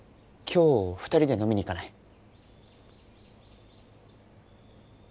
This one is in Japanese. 今日２人で飲みに行かない？